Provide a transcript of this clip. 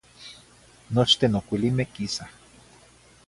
Nochten ocuilimeh quisah.